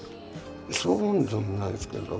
そうでもないですけど。